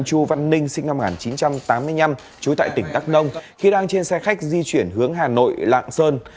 chu văn ninh sinh năm một nghìn chín trăm tám mươi năm trú tại tỉnh đắk nông khi đang trên xe khách di chuyển hướng hà nội lạng sơn